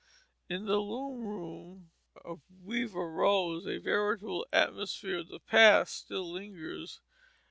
In the loom room of Weaver Rose a veritable atmosphere of the past still lingers.